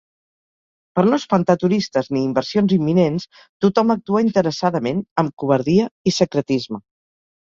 Per no espantar turistes ni inversions imminents, tothom actua interessadament, amb covardia i secretisme.